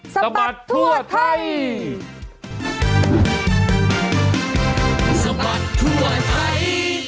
สบัดทั่วไทย